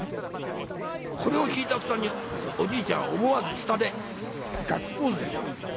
これを聞いた途端におじいちゃんは思わず下でガッツポーズですよ。